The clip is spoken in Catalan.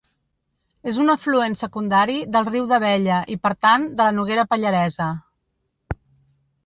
És un afluent secundari del riu d'Abella i, per tant, de la Noguera Pallaresa.